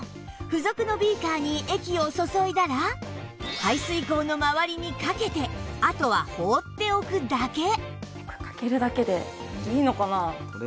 付属のビーカーに液を注いだら排水口の周りにかけてあとは放っておくだけ